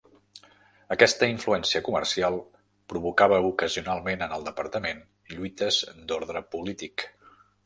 Aquesta influència comercial provocava ocasionalment en el departament lluites d'ordre polític.